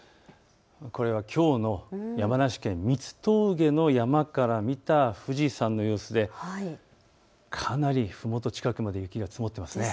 これはきょうの山梨県三ツ峠の山から見た富士山の様子でかなりふもと近くまで雪が積もっていますね。